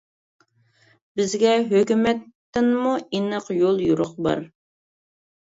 بىزگە ھۆكۈمەتتىنمۇ ئېنىق يول يورۇق بار.